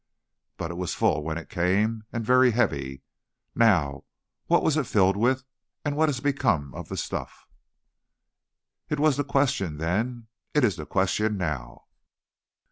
But it was full when it came, and very heavy. Now, what was it filled with, and what has become of the stuff?" It was the question then; it is the question now.